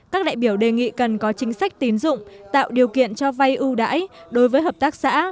các đại biểu đề nghị cần có chính sách tín dụng tạo điều kiện cho vay ưu đãi đối với hợp tác xã